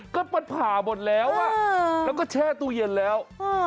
ก็มันผ่าหมดแล้วแล้วก็แช่ตู้เย็นแล้ว